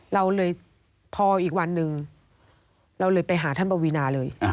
เราเลยพออีกวันหนึ่งเราเลยไปหาท่านปวีนาเลย